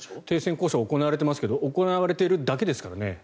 停戦交渉は行われていますが行われているだけですからね。